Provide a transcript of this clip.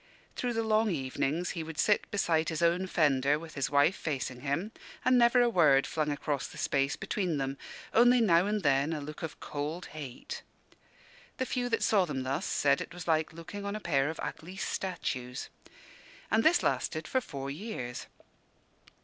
Through the long evenings he would sit beside his own fender, with his wife facing him, and never a word flung across the space between them, only now and then a look of cold hate. The few that saw them thus said it was like looking on a pair of ugly statues. And this lasted for four years.